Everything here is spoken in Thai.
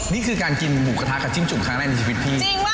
นี่คือการกินหมูกระทะกับจิ้มจุ่มครั้งแรกในชีวิตพี่